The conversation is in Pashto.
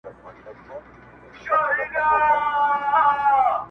o ورته شعرونه وايم.